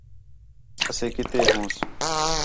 اَسے کِتے ہونس؟